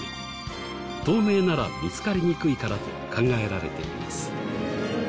透明なら見つかりにくいからと考えられています。